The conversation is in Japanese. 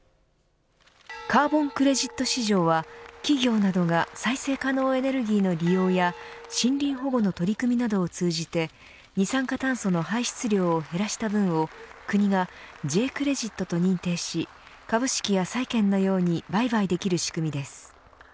カーボン・クレジット市場は企業などが再生可能エネルギーの利用や森林保護の取り組みなどを通じて二酸化炭素の排出量を減らした分を国がＪ−クレジットと認定し株式や債券のように売買できる仕組みです。